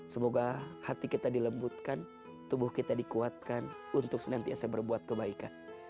semoga hati kita dilembutkan tubuh kita dikuatkan untuk senantiasa berbuat kebaikan